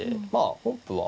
本譜は。